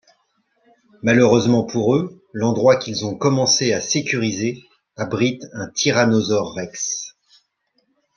Malheureusement pour eux, l'endroit qu'ils ont commencé à sécuriser abrite un tyrannosaure rex…